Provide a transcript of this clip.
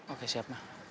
oke siap ma